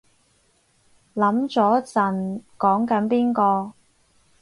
諗咗陣講緊邊個